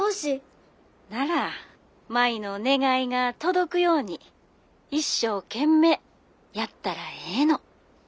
☎なら舞の願いが届くように一生懸命やったらええの。